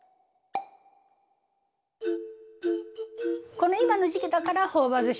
この今の時期だから朴葉ずし